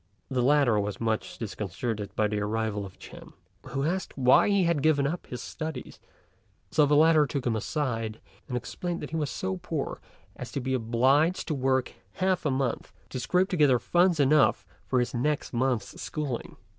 The latter was much disconcerted by the arrival of Ch'ên, who asked him why he had given up his studies; so the latter took him aside, and explained that he was so poor as to be obliged to work half a month to scrape together funds enough for his next month's schooling.